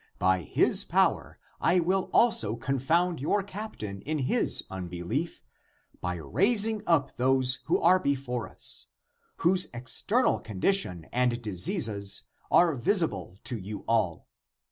By His power I will also confound your captain in his unbelief by raising up those who are before us, whose external condition and diseases are visible to you all.